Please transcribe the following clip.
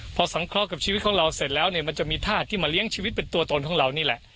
พอสังเคราะห์กับชีวิตของเราเสร็จแล้วเนี่ยมันจะมีธาตุที่มาเลี้ยงชีวิตเป็นตัวตนของเรานี่แหละ